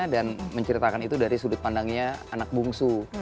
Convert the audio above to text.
dan menceritakan itu dari sudut pandangnya anak bungsu